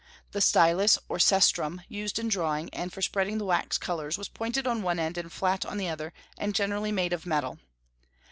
The stylus, or cestrum, used in drawing and for spreading the wax colors was pointed on one end and flat on the other, and generally made of metal.